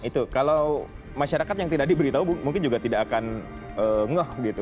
itu kalau masyarakat yang tidak diberitahu mungkin juga tidak akan ngeh gitu